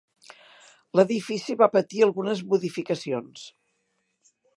L'edifici va patir algunes modificacions.